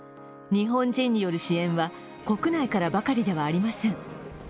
日本人による支援は、国内からばかりではありません。